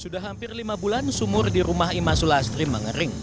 sudah hampir lima bulan sumur di rumah ima sulastri mengering